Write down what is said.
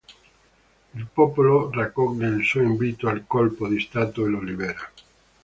Il popolo raccoglie il suo invito al colpo di stato e lo libera.